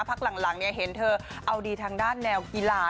พักหลังเห็นเธอเอาดีทางด้านแนวกีฬา